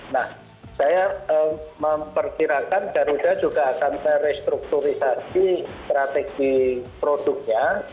nah saya memperkirakan garuda juga akan merestrukturisasi strategi produknya